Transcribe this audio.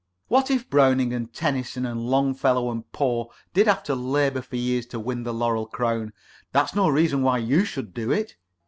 What if Browning and Tennyson and Longfellow and Poe did have to labor for years to win the laurel crown, that's no reason why you should do it.